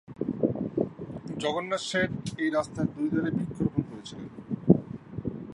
জগন্নাথ শেঠ এই রাস্তার দুই ধারে বৃক্ষরোপণ করেছিলেন।